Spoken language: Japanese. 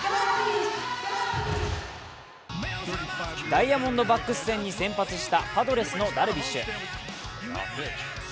ダイヤモンドバックス戦に先発したパドレスのダルビッシュ。